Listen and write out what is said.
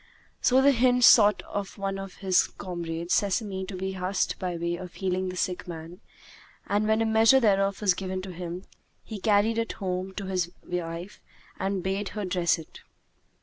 So the hind sought of one of his comrades sesame to be husked by way of healing the sick man; and, when a measure thereof was given to him, he carried it home to his wife and bade her dress it.